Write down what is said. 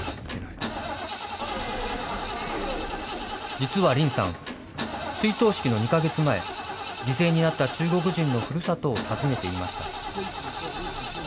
実は林さん、追悼式の２か月前、犠牲になった中国人のふるさとを訪ねていました。